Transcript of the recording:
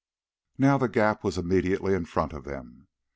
Now the gap was immediately in front of them.